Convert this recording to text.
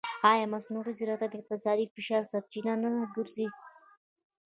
ایا مصنوعي ځیرکتیا د اقتصادي فشار سرچینه نه ګرځي؟